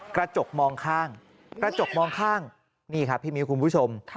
กระจกมองข้างนี่ครับพี่มิวคุณผู้ชม